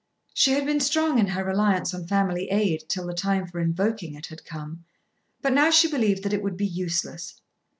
She had been strong in her reliance on family aid till the time for invoking it had come; but now she believed that it would be useless.